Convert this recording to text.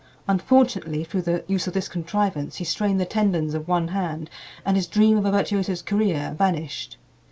Unfortunately, through the use of this contrivance he strained the tendons of one hand and his dream of a virtuoso's career vanished.